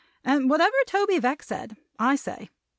And whatever Toby Veck said, I say.